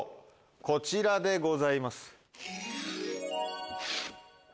こちらでございます。